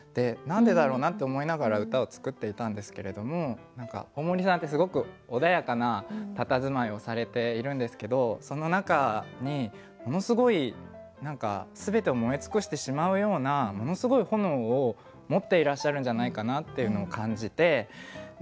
何でだろうなって思いながら歌を作っていたんですけれども何か大森さんってすごく穏やかなたたずまいをされているんですけどその中にものすごい何か全てを燃え尽くしてしまうようなものすごい炎を持っていらっしゃるんじゃないかなっていうのを感じて。